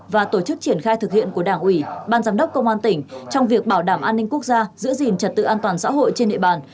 và tổ chức triển khai thực hiện của đảng ủy ban giám đốc công an tỉnh trong việc bảo đảm an ninh quốc gia giữ gìn trật tự an toàn xã hội trên địa bàn